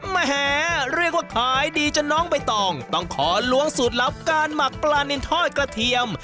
แหมเรียกว่าขายดีจนน้องใบตองต้องขอล้วงสูตรลับการหมักปลานินทอดกระเทียม